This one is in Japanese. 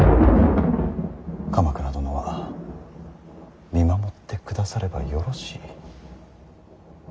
鎌倉殿は見守ってくださればよろしい。